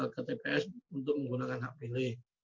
ke tps untuk menggunakan hpl